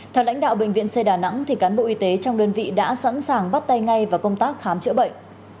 theo lãnh đạo bệnh viện c đà nẵng cán bộ y tế trong đơn vị đã sẵn sàng bắt tay ngay vào công tác khám chữa bệnh